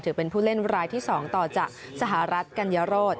เป็นผู้เล่นรายที่๒ต่อจากสหรัฐกัญญาโรธ